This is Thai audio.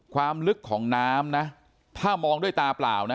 ความลึกของน้ำนะถ้ามองด้วยตาเปล่านะ